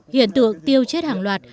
hiện tượng tiêu chết hàng loạt